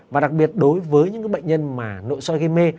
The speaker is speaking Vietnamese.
và đặc biệt đối với những bệnh nhân mà nội soi gây mê